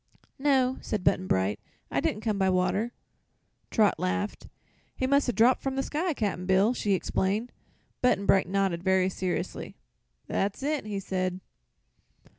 "No," said Button Bright; "I didn't come by water." Trot laughed. "He must 'a' dropped from the sky, Cap'n Bill!" she exclaimed. Button Bright nodded, very seriously. "That's it," he said.